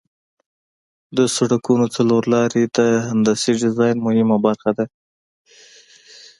د سرکونو څلور لارې د هندسي ډیزاین مهمه برخه ده